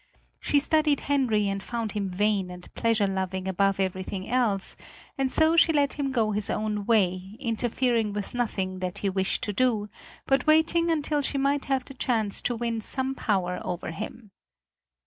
She studied Henry and found him vain and pleasure loving above everything else, and so she let him go his own way, interfering with nothing that he wished to do, but waiting until she might have the chance to win some power over him.